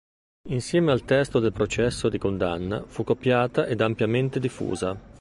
Insieme al testo del processo di condanna fu copiata ed ampiamente diffusa.